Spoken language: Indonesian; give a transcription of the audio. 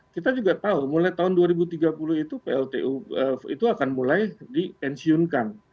kita juga tahu mulai tahun dua ribu tiga puluh itu pltu itu akan mulai dipensiunkan